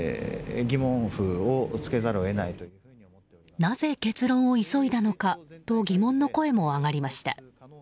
なぜ、結論を急いだのかと疑問の声も上がりました。